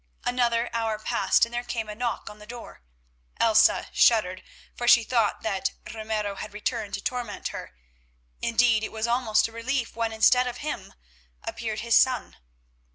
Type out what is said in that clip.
Another hour passed, and there came a knock on the door. Elsa shuddered, for she thought that Ramiro had returned to torment her. Indeed it was almost a relief when, instead of him, appeared his son.